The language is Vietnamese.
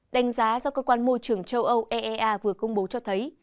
đánh giá do cơ quan môi trường châu âu eea vừa công bố cho thấy